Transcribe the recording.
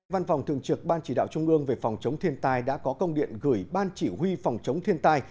văn phòng thường trực ban chỉ đạo trung ương về phòng chống thiên tai đã có công điện gửi ban chỉ huy phòng chống thiên tai